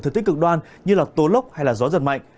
thực tích cực đoan như tố lốc hay gió giật mạnh